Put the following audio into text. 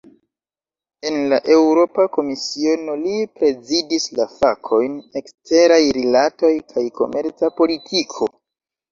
En la Eŭropa Komisiono, li prezidis la fakojn "eksteraj rilatoj kaj komerca politiko".